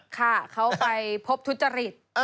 ค่ะเขาไปพบทุจริต